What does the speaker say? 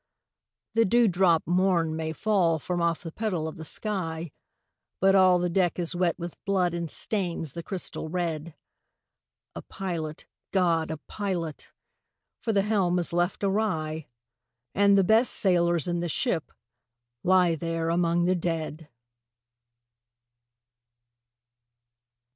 "The dewdrop morn may fall from off the petal of the sky, But all the deck is wet with blood and stains the crystal red. A pilot, GOD, a pilot! for the helm is left awry, And the best sailors in the ship lie there among the dead!"